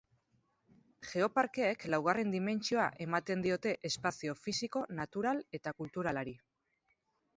Geoparkeek laugarren dimentsioa ematen diote espazio fisiko, natural eta kulturalari.